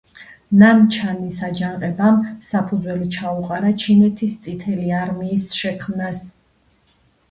ნანჩანის აჯანყებამ საფუძველი ჩაუყარა ჩინეთის წითელი არმიის შექმნას.